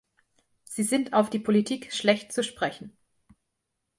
Sie sind auf die Politik schlecht zu sprechen.